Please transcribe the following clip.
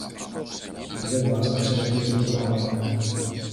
Δε βάσταξε πολύ το πάλεμα